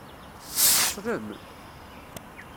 Tḥeṣlem?